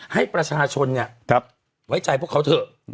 ให้ประชาชนไว้ใจพวกเขาเถอะ